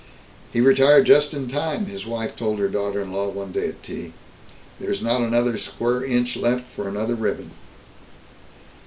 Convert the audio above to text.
"He retired just in time," his wife told her daughter in law one day at tea. "There's not another square inch left for another ribbon."